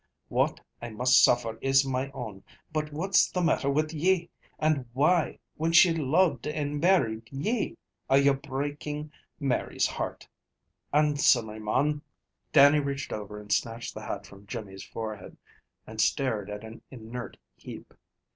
What I must suffer is my own, but what's the matter with ye, and why, when she loved and married ye, are ye breakin' Mary's heart? Answer me, mon!" Dannie reached over and snatched the hat from Jimmy's forehead, and stared at an inert heap.